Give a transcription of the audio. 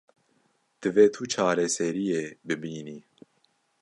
Divê tu çareseriyê bibînî.